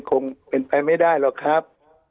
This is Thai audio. คงเป็นไปไม่ได้หรอกครับ